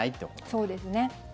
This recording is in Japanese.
そうですね。